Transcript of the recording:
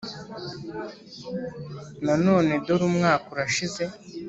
nanone dore umwaka urashize